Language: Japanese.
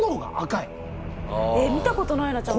見た事ないなちゃんと。